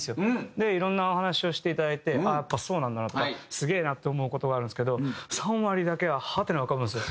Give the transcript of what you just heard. で色んなお話をして頂いて「ああやっぱそうなんだな」とかすげえなって思う事はあるんですけど３割だけはハテナが浮かぶんですよ。